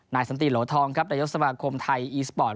นายสมติหลวทองในยกสมาคมไทยอีสปอร์ต